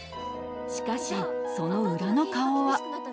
しかしその裏の顔は。